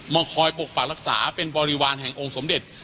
คอยปกปักรักษาเป็นบริวารแห่งองค์สมเด็จ